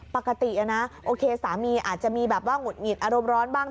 ปกตินะโอเคสามีอาจจะมีแบบว่าหงุดหงิดอารมณ์ร้อนบ้าง